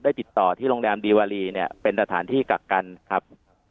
ติดต่อที่โรงแรมดีวารีเนี่ยเป็นสถานที่กักกันครับ